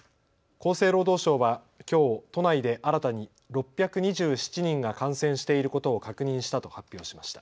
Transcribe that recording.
厚生労働省はきょう都内で新たに６２７人が感染していることを確認したと発表しました。